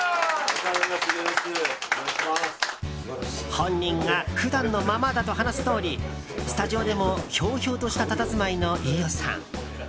本人が普段のままだと話すとおりスタジオでもひょうひょうとしたたたずまいの飯尾さん。